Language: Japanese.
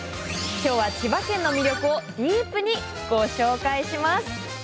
きょうは、千葉県の魅力をディープにご紹介します。